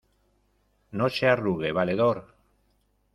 ¡ no se arrugue, valedor!...